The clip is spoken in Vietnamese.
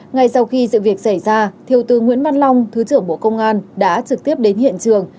ngay sau khi sự việc xảy ra thiếu tướng nguyễn văn long thứ trưởng bộ công an đã trực tiếp đến hiện trường